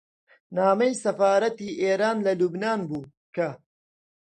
نامەی سەفارەتی ئێران لە لوبنان بوو کە: